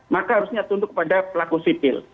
maka harusnya tunduk kepada pelaku sipil